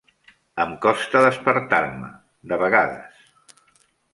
Em costar despertar-me, de vegades.